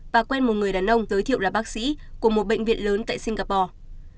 bà quen một người đàn ông giới thiệu là bác sĩ của một bệnh viện lớn tại singapore